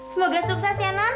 semoga sukses ya non